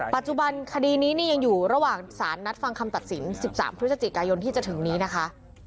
คดีนี้ยังอยู่ระหว่างสารนัดฟังคำตัดสิน๑๓พฤศจิกายนที่จะถึงนี้นะคะ